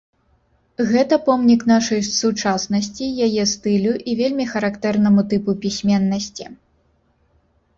Гэта помнік нашай сучаснасці, яе стылю і вельмі характэрнаму тыпу пісьменнасці.